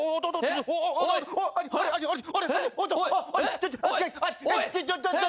ちょっちょっちょっ。